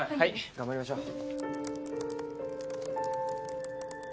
頑張りましょう。